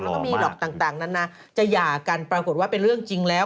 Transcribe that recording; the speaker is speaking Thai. แล้วก็มีหรอกต่างนั้นนะจะหย่ากันปรากฏว่าเป็นเรื่องจริงแล้ว